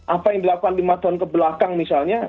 apa yang dilakukan lima tahun kebelakang misalnya